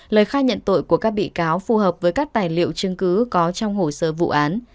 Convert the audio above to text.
lời khai nhận tội của các bị cáo phù hợp với các tài liệu chứng cứ có trong hồ sơ vụ án